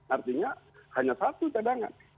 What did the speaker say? artinya hanya satu cadangan